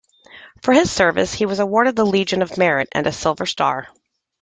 For his service, he was awarded the Legion of Merit and a Silver Star.